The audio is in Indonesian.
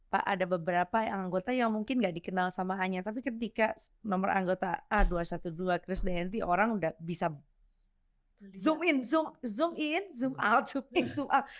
pak ada beberapa anggota yang mungkin nggak dikenal sama anya tapi ketika nomor anggota a dua ratus dua belas chris d'anti orang udah bisa zoom in zoom out zoom in zoom out